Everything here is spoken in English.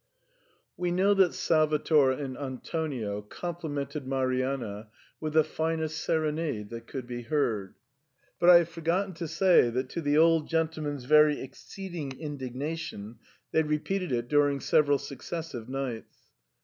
We know that Salvator and Antonio complimented Marianna with the finest serenade that could be heard ; but I have forgotten to say that to the old gentleman's very exceeding indignation they repeated it during several successive nights.